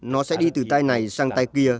nó sẽ đi từ tay này sang tay kia